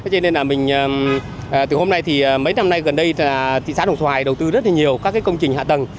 cho nên là mình từ hôm nay thì mấy năm nay gần đây thị xã đồng xoài đầu tư rất là nhiều các công trình hạ tầng